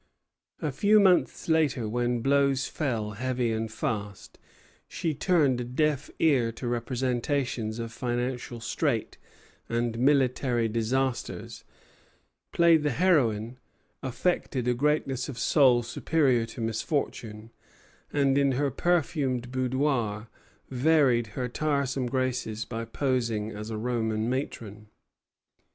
A few months later, when blows fell heavy and fast, she turned a deaf ear to representations of financial straits and military disasters, played the heroine, affected a greatness of soul superior to misfortune, and in her perfumed boudoir varied her tiresome graces by posing as a Roman matron.